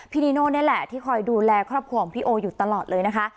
นิโน่นี่แหละที่คอยดูแลครอบครัวของพี่โออยู่ตลอดเลยนะคะ